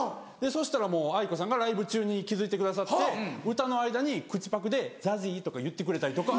そしたらもうａｉｋｏさんがライブ中に気付いてくださって歌の間に口パクでＺＡＺＹとか言ってくれたりとか。